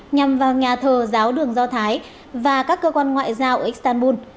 nhằm vào nhà thờ giáo đường do thái và các cơ quan ngoại giao ở istanbul